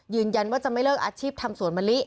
ยืนยันว่าจะไม่เลิกอาชีพทำสวนมะลิ